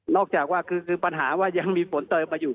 จากว่าคือปัญหาว่ายังมีฝนเติมมาอยู่